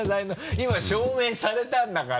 今証明されたんだから。